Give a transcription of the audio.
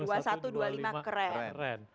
wah dua ribu satu ratus dua puluh lima keren